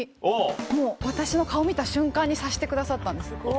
もう私の顔見た瞬間に察してくださったんです。